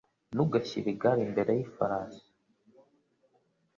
Ntugashyire igare imbere yifarasi.